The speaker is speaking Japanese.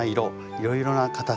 いろいろな形。